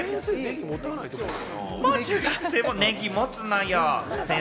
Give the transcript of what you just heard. もう中学生もネギ、持つのよ！